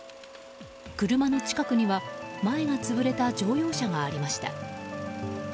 車の近くには前が潰れた乗用車がありました。